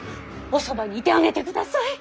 おそばにいてあげてください。